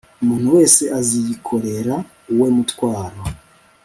umuntu wese aziyikorera uwe mutwaro